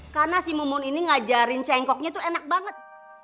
karena si mumun ini ngajarin cengkoknya tuh enak banget